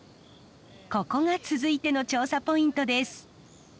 ここが続いての調査ポイントです。